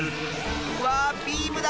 うわあビームだ！